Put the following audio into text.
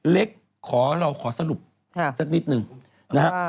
เล็กขอเราขอสรุปสักนิดหนึ่งนะฮะ